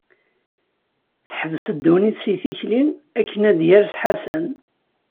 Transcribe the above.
Teḥbes ddunit seg tikli, akken ad yers Ḥasan.